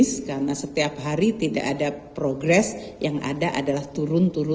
karena setiap hari tidak ada progres yang ada adalah turun turun